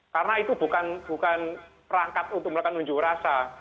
karena itu bukan perangkat untuk melakukan unjuk rasa